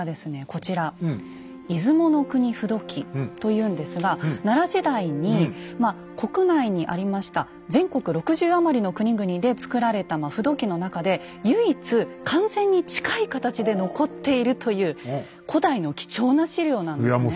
こちら「出雲国風土記」というんですが奈良時代に国内にありました全国６０余りの国々で作られた風土記の中で唯一完全に近い形で残っているという古代の貴重な史料なんですね。